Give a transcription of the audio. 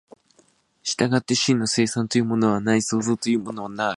従って真の生産というものはない、創造というものはない。